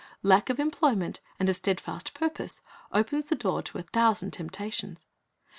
Lack of employment and of steadfast purpose opens the door to a thousand temptations.